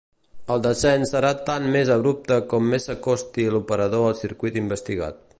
El descens serà tant més abrupte com més s'acosti l'operador al circuit investigat.